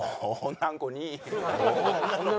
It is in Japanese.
「女の子に」？